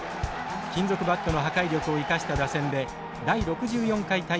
金属バットの破壊力を生かした打線で第６４回大会で優勝。